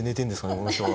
この人は。